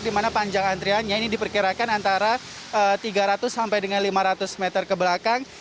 di mana panjang antriannya ini diperkirakan antara tiga ratus sampai dengan lima ratus meter ke belakang